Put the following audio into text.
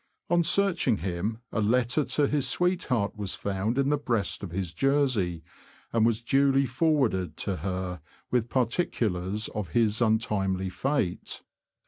On searching him, a letter to his sweetheart was found in the breast of his jersey, and was duly forwarded to her, with particulars of his untimely fate.